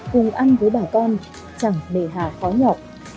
cùng ăn với bà con chẳng bề hà khó nhọc